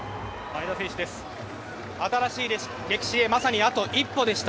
新しい歴史にまさにあと一歩でした。